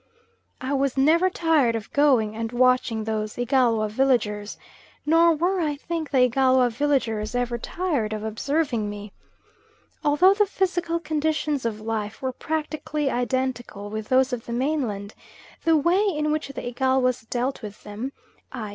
I was never tired of going and watching those Igalwa villagers, nor were, I think, the Igalwa villagers ever tired of observing me. Although the physical conditions of life were practically identical with those of the mainland, the way in which the Igalwas dealt with them, i.